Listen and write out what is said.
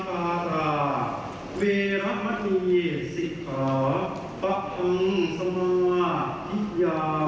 บาลกสาหกราลัย